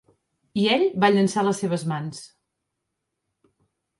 I ell va llançar les seves mans.